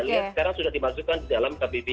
lihat sekarang sudah dimasukkan di dalam kbbi